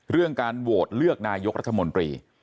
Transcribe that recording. เรื่องการโหวตเลือกนายกรัฐมนตรี